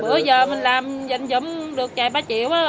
bữa giờ mình làm dành dụng được trài ba triệu